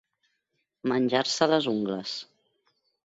Menjar-se les ungles.